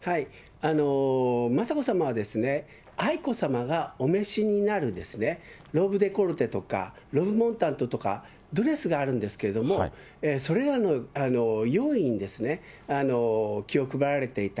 雅子さまは、愛子さまがお召しになるローブデコルテとか、とか、ドレスがあるんですけれども、それらの用意に気を配られていた。